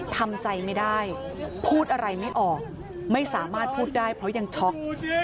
ทำใจไม่ได้พูดอะไรไม่ออกไม่สามารถพูดได้เพราะยังช็อก